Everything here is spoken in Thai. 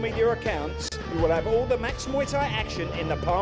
มีความสุขแรงสวัสดีครับ